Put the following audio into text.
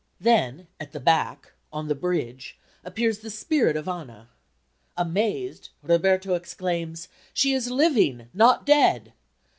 Then, at the back, on the bridge, appears the spirit of Anna. Amazed, Roberto exclaims, "She is living, not dead!"